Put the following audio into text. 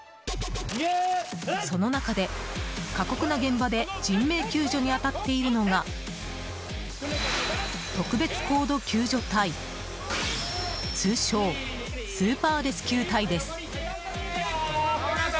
その中で、過酷な現場で人命救助に当たっているのが特別高度救助隊通称スーパーレスキュー隊です。